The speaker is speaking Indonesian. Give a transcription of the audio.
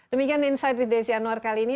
demikian insight with desi anwar kali ini